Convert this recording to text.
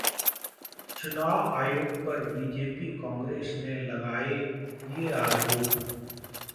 चुनाव आयोग पर बीजेपी-कांग्रेस ने लगाए ये आरोप